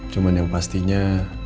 cuman yang pastinya